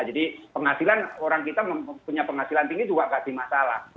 jadi penghasilan orang kita mempunyai penghasilan tinggi juga gaji masalah